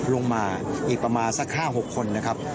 ลงมาอีกประมาณสัก๕๖คนนะครับ